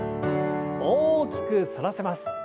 大きく反らせます。